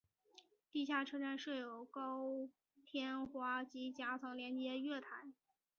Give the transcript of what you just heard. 地下车站设有高天花及夹层连接月台。